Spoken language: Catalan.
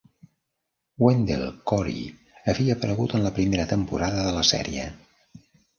Wendell Corey havia aparegut en la primera temporada de la sèrie.